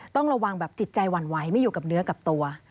ต้องระวังแบบจิตใจหวั่นไหวไม่อยู่กับเนื้อกับตัว